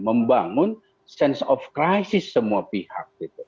membangun sense of crisis semua pihak